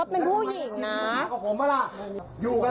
อ้าวพี่พูดแบบนี้แบบนี้ยังไงอ่ะ